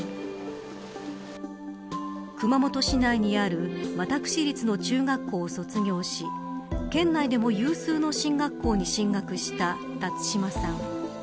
熊本市内にある私立の中学校を卒業し県内でも有数の進学校に進学した辰島さん。